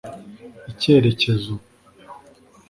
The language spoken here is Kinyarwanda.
Icyerekezo